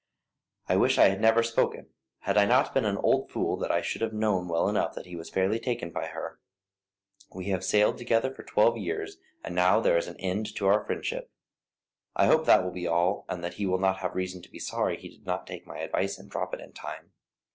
"I wish I had never spoken. Had I not been an old fool I should have known well enough that he was fairly taken by her. We have sailed together for twelve years, and now there is an end to our friendship. I hope that will be all, and that he will not have reason to be sorry he did not take my advice and drop it in time.